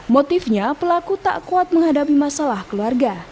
motifnya pelaku tak kuat menghadapi masalah keluarga